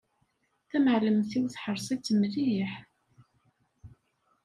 Tamɛellemt-iw teḥreṣ-itt mliḥ.